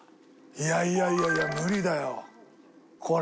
いやいやいや無理だよこれ。